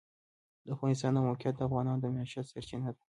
د افغانستان د موقعیت د افغانانو د معیشت سرچینه ده.